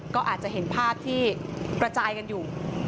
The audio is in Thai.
ก็อาจจะเห็นภาพที่กระจายกันอยู่